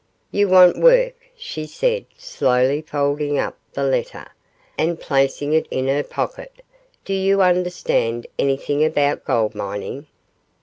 'You want work,' she said, slowly folding up the letter, and placing it in her pocket; 'do you understand anything about gold mining?